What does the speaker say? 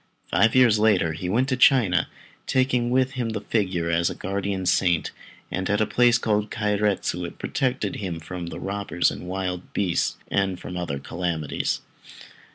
Five years later he went to China, taking with him the figure as his guardian saint, and at a place called Kairetsu it protected him from robbers and wild beasts and from other calamities.